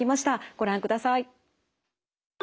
ご覧ください。